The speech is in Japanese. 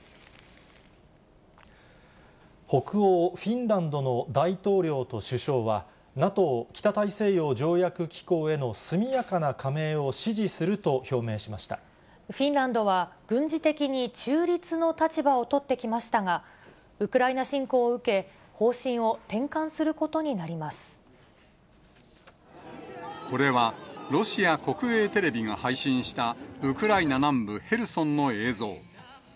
北欧フィンランドの大統領と首相は、ＮＡＴＯ・北大西洋条約機構への速やかな加盟を支持すると表明しフィンランドは、軍事的に中立の立場をとってきましたが、ウクライナ侵攻を受け、これは、ロシア国営テレビが配信したウクライナ南部ヘルソンの映像。